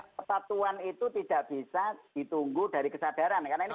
persatuan itu tidak bisa ditunggu dari kesadaran